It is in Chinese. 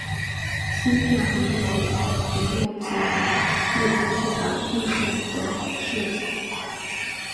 芯片行业的联盟成员旨在确保硬件友好的设计。